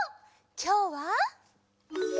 きょうは。